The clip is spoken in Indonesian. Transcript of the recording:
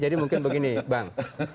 jadi mungkin begini bang